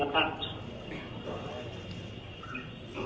ยังไม่ใช่